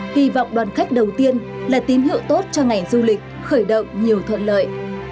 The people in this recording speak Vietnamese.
hy vọng đoàn khách đầu tiên là tín hiệu tốt cho ngành du lịch khởi động nhiều thuận lợi